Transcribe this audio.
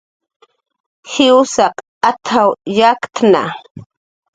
"Jwsaq at""w yakktna"